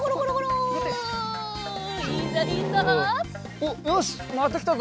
おっよしまたきたぞ。